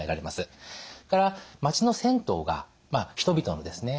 それから街の銭湯が人々のですね